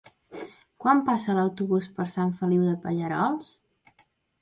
Quan passa l'autobús per Sant Feliu de Pallerols?